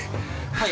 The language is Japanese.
はい。